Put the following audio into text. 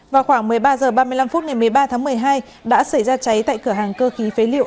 vào khoảng một mươi ba h ba mươi năm phút ngày một mươi ba tháng một mươi hai đã xảy ra cháy tại cửa hàng cơ khí phế liệu